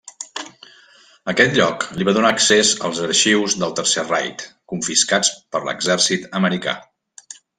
Aquest lloc li va donar accés als arxius del Tercer Reich confiscats per l'exèrcit americà.